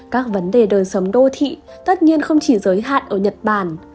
các vấn đề đời sống đô thị tất nhiên không chỉ giới hạn ở nhật bản